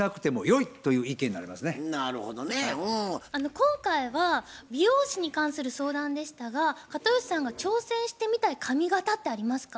今回は美容師に関する相談でしたが片寄さんが挑戦してみたい髪形ってありますか？